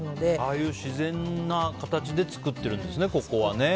ああいう自然な形で作ってるんですね、ここはね。